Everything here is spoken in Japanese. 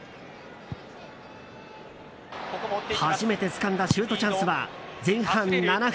初めてつかんだシュートチャンスは前半７分。